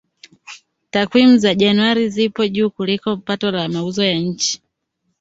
Takwimu za Januari ziko juu kuliko pato la mauzo ya nje